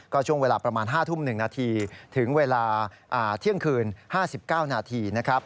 ก็ช่วงเวลาประมาณ๕ทุ่ม๑นาทีถึงเวลาเที่ยงคืน๕๙นาทีนะครับ